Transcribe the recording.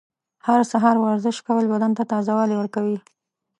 هر سهار ورزش کول بدن ته تازه والی ورکوي.